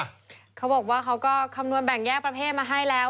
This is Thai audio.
เขาบอกว่าเขาก็คำนวณแบ่งแยกประเภทมาให้แล้ว